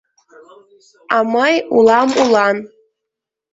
А мый улам улан: